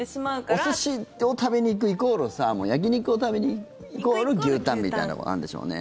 お寿司を食べに行くイコール、サーモン焼き肉を食べに行くイコール、牛タンみたいなものがあるんでしょうね。